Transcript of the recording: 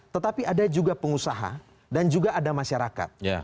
tetapi ada juga pengusaha dan juga ada masyarakat